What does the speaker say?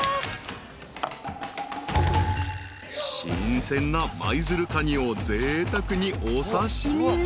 ［新鮮な舞鶴かにをぜいたくにお刺し身に］